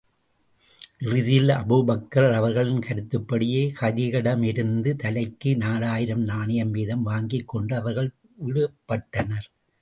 இறுதியில், அபூபக்கர் அவர்களின் கருத்துப்படியே, கைதிகளிடமிருந்து தலைக்கு நாலாயிரம் நாணயம் வீதம் வாங்கிக் கொண்டு அவர்கள் விடப்பட்டனர்.